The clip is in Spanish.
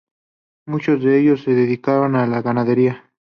Muchos de ellos se dedicaron a la ganadería.